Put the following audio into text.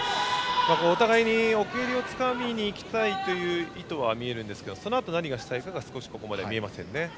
お互いに奥襟をつかみに行きたい意図は見えるんですけどそのあと何がしたいかが少しここまでは見えませんね。